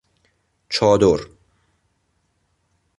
چادر